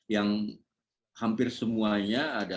yang hampir semuanya adalah